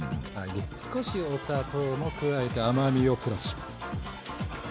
少しお砂糖も加えて甘みをプラスします。